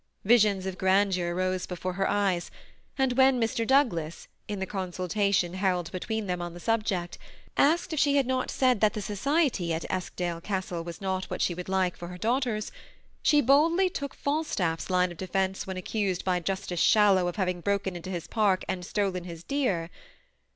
Visions of grandeur rose before her eyes ; and when Mr. Doug THE SEMI ATTACPED COUPLE. 69 las, in the consultation held between them on the sub ject, asked if she had hot said that the society at Esk dale Castle was not what she would like for her daugh ters, she boldly took Falstaff's line of .defence when ac cused by Justice Shallow of having broken into his park and stolen his deer.